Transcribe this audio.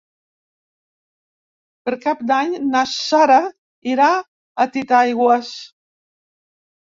Per Cap d'Any na Sara irà a Titaigües.